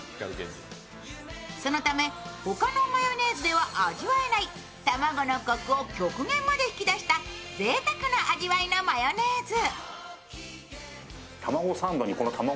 そのため他のマヨネーズでは味わえない卵のコクを極限まで引き出したぜいたくな味わいのマヨネーズ。